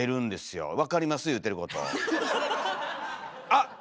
あっ！